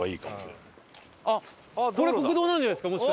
これ国道なんじゃないですか？